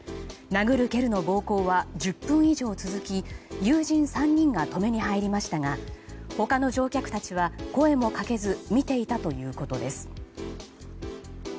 殴る蹴るの暴行は１０分以上続き友人３人が止めに入りましたが他の乗客たちは、声もかけず見ていたということです。